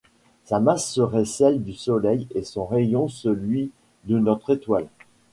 Sa masse serait celle du Soleil et son rayon celui de notre étoile.